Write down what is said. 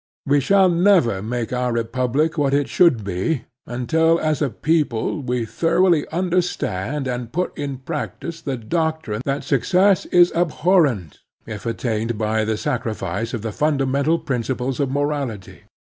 We shall never make our republic what it should be until as a people we thoroughly understand and put in practice the doctrine that success is abhorrent if attained by the sacrifice of the ftmda mental principles of morality.